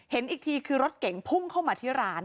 เห็นอีกทีคือรถเก่งพุ่งเข้ามาที่ร้าน